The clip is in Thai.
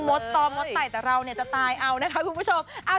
มดต่อมดไต่แต่เราเนี่ยจะตายเอานะคะคุณผู้ชม